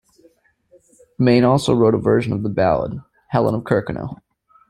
Mayne also wrote a version of the ballad, "Helen of Kirkconnel".